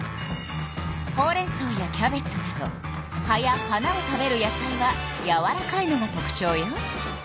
ほうれんそうやキャベツなど葉や花を食べる野菜はやわらかいのが特ちょうよ。